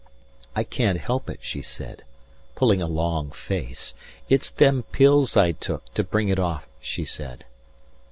I can't help it, she said, pulling a long face, It's them pills I took, to bring it off, she said.